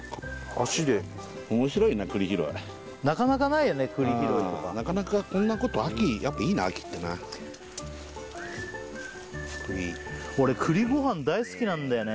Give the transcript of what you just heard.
足でなかなかないよね栗拾いとかなかなかこんなこと秋やっぱいいな秋ってな俺栗ご飯大好きなんだよね